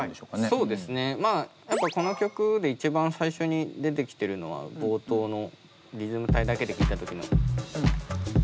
そうですねやっぱこの曲で一番最初に出てきてるのは冒頭のリズム隊だけで聴いた時のこの音ですね。